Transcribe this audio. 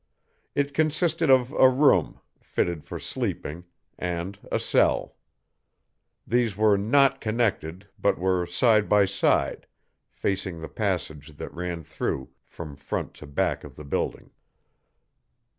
It consisted of a room, fitted for sleeping, and a cell. These were not connected, but were side by side, facing the passage that ran through from front to back of the building.